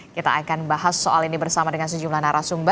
kita akan bahas soal ini bersama dengan sejumlah narasumber